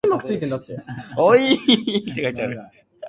おおおいいいいいい